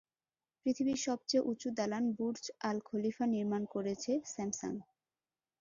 পৃথিবীর সবচেয়ে উচু দালান বুর্জ আল খলিফা নির্মাণ করেছে স্যামসাং।